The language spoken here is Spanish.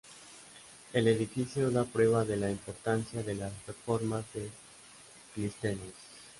El edificio da prueba de la importancia de las reformas de Clístenes.